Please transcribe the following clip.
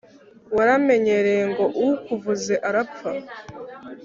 waramenyereye ngo ukuvuze arapfa